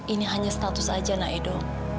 ini hanya status saja nah edo